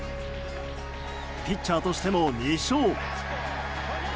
ピッチャーとしても２勝。